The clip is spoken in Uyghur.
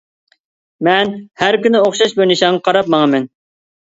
مەن ھەر كۈنى ئوخشاش بىر نىشانغا قاراپ ماڭىمەن.